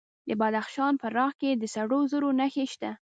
د بدخشان په راغ کې د سرو زرو نښې شته.